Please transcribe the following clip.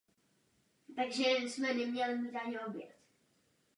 Sjednaná prozatímní dohoda postrádá ochranu údajů.